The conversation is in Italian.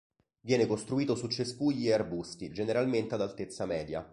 Viene costruito su cespugli e arbusti, generalmente ad altezza media.